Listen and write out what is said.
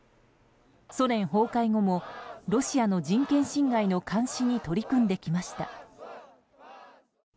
ソ連崩壊後もロシアの人権侵害の監視に取り組んできました。